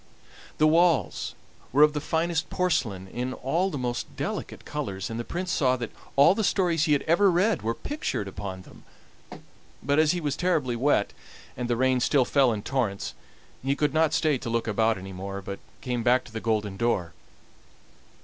The walls were of the finest porcelain in all the most delicate colors, and the Prince saw that all the stories he had ever read were pictured upon them; but as he was terribly wet, and the rain still fell in torrents, he could not stay to look about any more, but came back to the golden door.